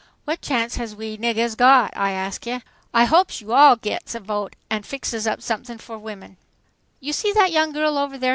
What chance has we niggahs got, I ask ya? I hopes yo' all gits a vote an' fixes up somethings for women!" "You see that young girl over there?"